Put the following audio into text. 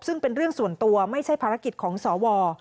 ซึ่งเป็นเรื่องส่วนตัวไม่ใช่ภารกิจของสว